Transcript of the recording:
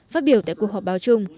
phát biểu tại cuộc họp báo chung